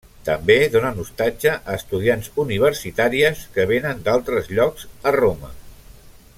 També donen hostatge a estudiants universitàries que vénen d'altres llocs a Roma.